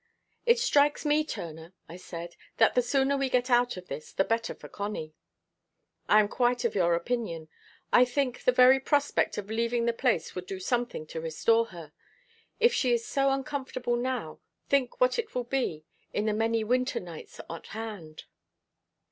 "It strikes me, Turner," I said, "that the sooner we get out of this the better for Connie." "I am quite of your opinion. I think the very prospect of leaving the place would do something to restore her. If she is so uncomfortable now, think what it will be in the many winter nights at hand."